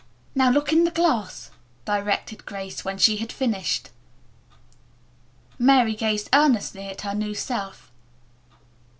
"Now look in the glass," directed Grace, when she had finished. Mary gazed earnestly at her new self.